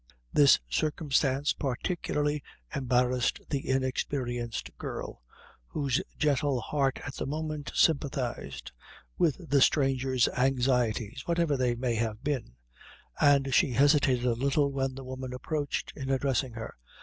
This circumstance particularly embarrassed the inexperienced girl, whose gentle heart at the moment sympathized with the stranger's anxieties, whatever they may have been, and she hesitated a little, when the woman approached, in addressing her.